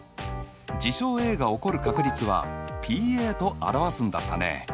事象Ａが起こる確率はＰと表すんだったね。